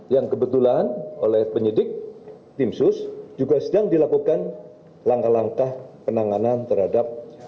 yang kebetulan oleh penyidik tim sus juga sedang dilakukan langkah langkah penanganan terhadap